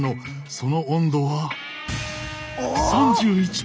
その温度は３１．１℃。